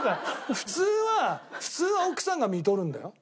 普通は普通は奥さんが看取るんだよ。